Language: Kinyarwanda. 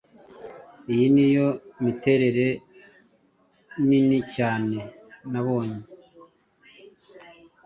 iyi niyo miterere nini cyane nabonye